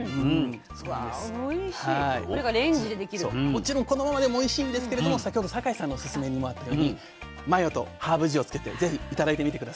もちろんこのままでもおいしいんですけれども先ほど酒井さんのおすすめにもあったようにマヨとハーブ塩つけて是非頂いてみて下さい。